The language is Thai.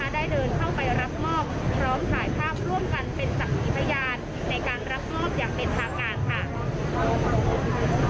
ได้เดินเข้าไปรับมอบพร้อมถ่ายภาพร่วมกันเป็นศักดิ์พยานในการรับมอบอย่างเป็นทางการค่ะ